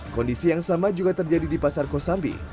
kondisi yang sama juga terjadi di pasar kosambi